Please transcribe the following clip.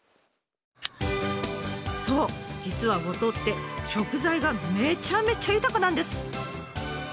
実は五島って食材がめちゃめちゃ豊かなんです。